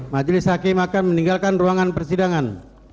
majelis hakim akan meninggalkan ruangan persidangan